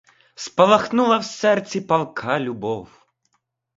Спалахнула в серці палка любов.